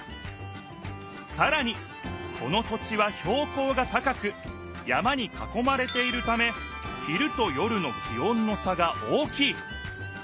さらにこの土地はひょう高が高く山にかこまれているため昼と夜の気温の差が大きい。